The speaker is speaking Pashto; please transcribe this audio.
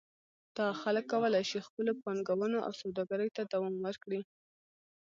دغه خلک کولای شي خپلو پانګونو او سوداګرۍ ته دوام ورکړي.